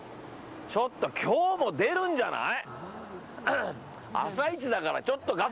ちょっと今日も出るんじゃない？